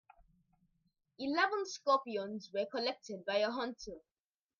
Eleven scorpions were collected by a hunter.